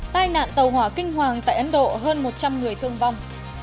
tai nạn tàu hỏa kinh hoàng tại ấn độ hơn một trăm linh người thương vong